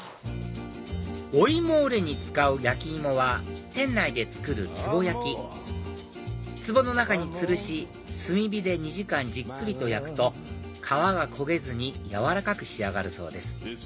おいもーれに使う焼き芋は店内で作るつぼ焼きつぼの中につるし炭火で２時間じっくりと焼くと皮が焦げずに軟らかく仕上がるそうです